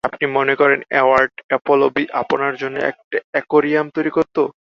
আপনি মনে করেন এডওয়ার্ড অ্যাপলবি আপনার জন্য একটা অ্যাকোরিয়াম তৈরি করত?